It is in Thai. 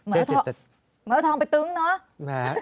เหมือนเอาทองไปตึ้งเนอะ